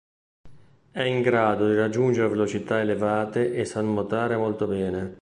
È in grado di raggiungere velocità elevate e sa nuotare molto bene.